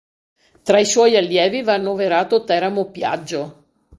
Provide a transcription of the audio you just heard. Tra i suoi allievi va annoverato Teramo Piaggio.